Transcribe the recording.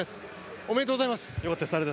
ありがとうございます。